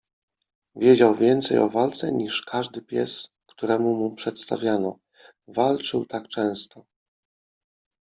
Wiedział więcej o walce niż każdy pies, któremu mu przedstawiono. Walczył tak często